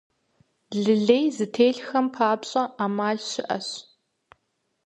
Лы лей зытелъхэм папщӀэ Ӏэмал щыӀэщ.